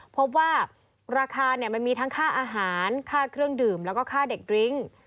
พบว่าราคามันมีทั้งค่าอาหารค่าเครื่องดื่มแล้วก็ค่าเด็กดริ้ง